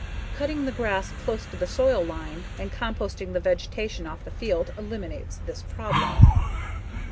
Cutting the grass close to the soil line and composting the vegetation off the field eliminates this problem.